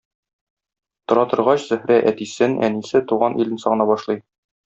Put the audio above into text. Тора торгач, Зөһрә әтисен, әнисе, туган илен сагына башлый.